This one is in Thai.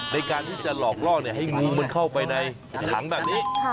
ในการที่จะหลอกล่อให้งูมันเข้าไปในถังแบบนี้